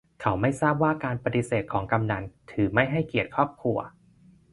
เขาไม่ทราบว่าการปฏิเสธของกำนัล ถือไม่ให้เกียรติครอบครัว